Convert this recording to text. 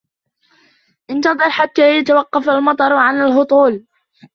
انتظر حتى يتوقف المطر عن الهطول.